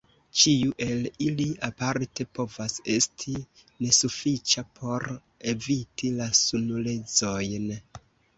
Ĉiu el ili aparte povas esti nesufiĉa por eviti la sunlezojn.